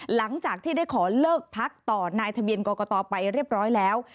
หลังจากที่ได้ขอเลิกพักต่อนายทะเบียนกรกตไปเรียบร้อยแล้ว